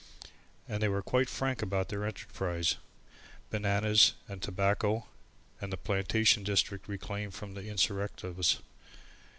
And they were quite frank about their enterprise bananas and tobacco in the plantation district reclaimed from the insurrectos.